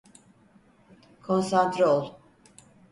Konsantre ol.